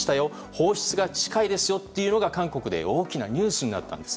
放出が近いですよということが韓国で大きなニュースになったんです。